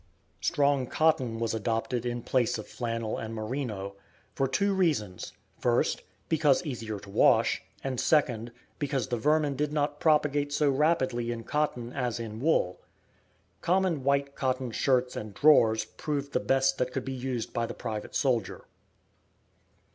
Strong cotton was adopted in place of flannel and merino, for two reasons: first, because easier to wash; and second, because the vermin did not propagate so rapidly in cotton as in wool. Common white cotton shirts and drawers proved the best that could be used by the private soldier.